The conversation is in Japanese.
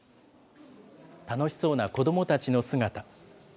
楽しそうな子どもたちの姿。